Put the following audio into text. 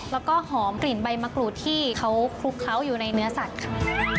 แล้วก็หอมกลิ่นใบมะกรูดที่เขาคลุกเคล้าอยู่ในเนื้อสัตว์ค่ะ